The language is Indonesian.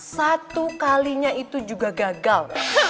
satu kalinya itu juga gagal